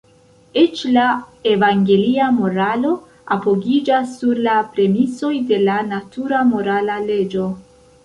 Eĉ la evangelia moralo apogiĝas sur la premisoj de la natura morala leĝo.